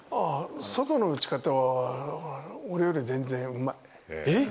外の打ち方は俺より全然うまえっ？